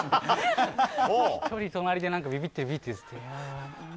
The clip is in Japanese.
隣でビビってるって言ってて。